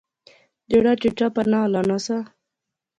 جیہڑا چٹا پرنا ہلانا سا